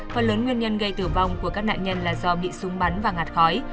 phần lớn nguyên nhân gây tử vong của các nạn nhân là do bị súng bắn và ngạt khói